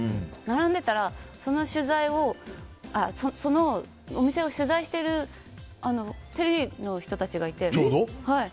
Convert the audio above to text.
並んでいたらそのお店を取材しているとテレビの人たちがいて。